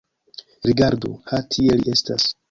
Rigardu: ha tie li estas.